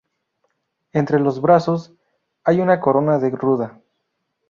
Entre los brazos hay una corona de ruda.